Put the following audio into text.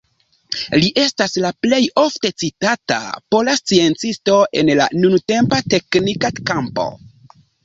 Li estas la plej ofte citata pola sciencisto en la nuntempa teknika kampo.